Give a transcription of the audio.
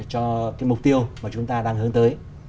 cho cái mục tiêu mà chúng ta đang hướng tới